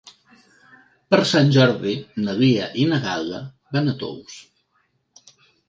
Per Sant Jordi na Lia i na Gal·la van a Tous.